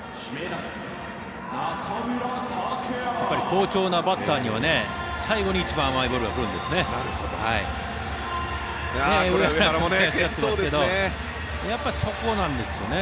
やっぱり好調なバッターには最後に一番甘いボールが来るんですね。